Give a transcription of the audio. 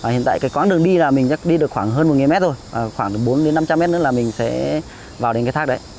hiện tại cái quán đường đi là mình đi được khoảng hơn một m rồi khoảng bốn năm trăm linh m nữa là mình sẽ vào đến cái thác đấy